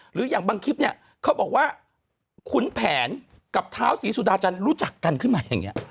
หรืออย่างบางคลิปเนี่ยเขาบอกว่าขุนแผนกับเท้าศรีสุดาจันทร์รู้จักกันขึ้นมาอย่างนี้